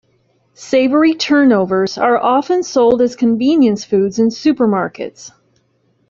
Savory turnovers are often sold as convenience foods in supermarkets.